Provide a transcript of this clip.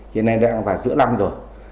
hiện nay đã vào giữa năm rồi